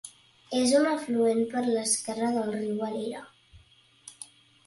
És un afluent, per l'esquerra, del riu Valira.